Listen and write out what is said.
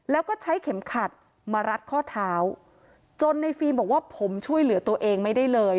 แล้วก็ใช้เข็มขัดมารัดข้อเท้าจนในฟิล์มบอกว่าผมช่วยเหลือตัวเองไม่ได้เลย